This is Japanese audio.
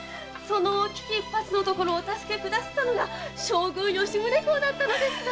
危機一髪のところをお助けくださったのが将軍・吉宗公だったのですか！